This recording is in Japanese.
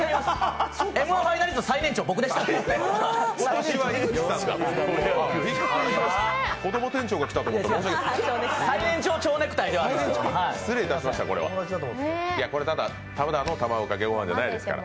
「Ｍ−１」ファイナリスト最年長は僕ですから。